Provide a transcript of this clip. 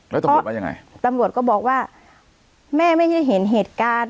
แล้วตำรวจว่ายังไงตำรวจก็บอกว่าแม่ไม่ได้เห็นเหตุการณ์